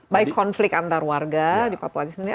baik konflik antar warga di papua itu sendiri